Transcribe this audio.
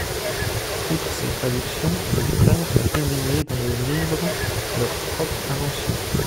Outre ces traductions les frères ont publié dans le livre leurs propres inventions.